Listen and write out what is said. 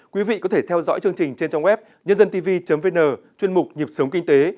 quý vị có thể theo dõi chương trình trên trong web nhândântv vn chuyên mục nhập sống kinh tế